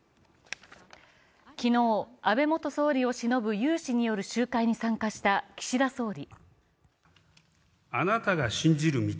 昨日、安倍元総理をしのぶ有志による会に参加した岸田総理。